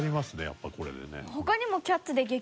やっぱりこれでね。